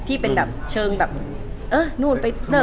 ที่เป็นแบบเชิงแบบเอ้อโน่น